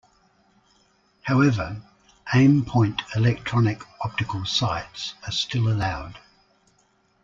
However, Aimpoint electronic optical sights are still allowed.